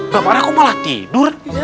gak marah kok malah tidur